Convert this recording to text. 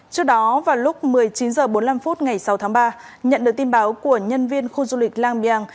trước đó vào lúc một mươi chín h bốn mươi năm phút ngày sáu tháng ba nhận được tin báo của nhân viên khu du lịch lang biang